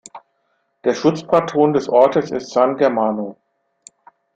Der Schutzpatron des Ortes ist "San Germano".